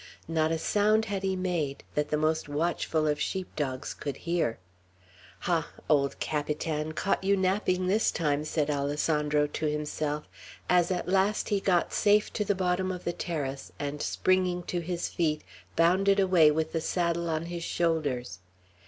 Not a sound had he made, that the most watchful of sheep dogs could hear. "Ha, old Capitan, caught you napping this time!" said Alessandro to himself, as at last he got safe to the bottom of the terrace, and, springing to his feet, bounded away with the saddle on his shoulders.